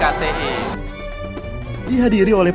dihadiri oleh para pelaku ekonomi akademik jawa dan jawa